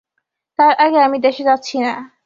তার আগে আমি দেশে যাচ্ছি না।